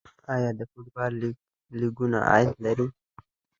آیا د فوټبال لیګونه عاید لري؟